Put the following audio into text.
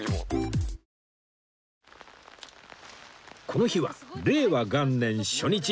この日は令和元年初日